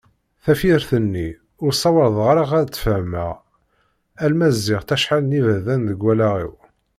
Tafyirt-nni ur ssawaḍeɣ ara ad tt-fehmeɣ alma zziɣ-tt acḥal n yiberdan deg wallaɣ-iw.